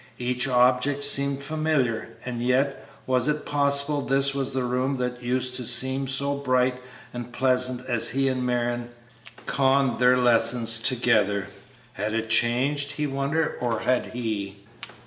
Each object seemed familiar, and yet, was it possible this was the room that used to seem so bright and pleasant as he and Marion conned their lessons together? Had it changed, he wondered, or had he?